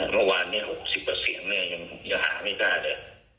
เมื่อวานนี้๖๐กว่าเสียงยังหาไม่ได้เลย